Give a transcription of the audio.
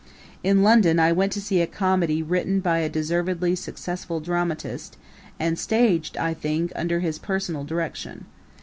In London I went to see a comedy written by a deservedly successful dramatist, and staged, I think, under his personal direction.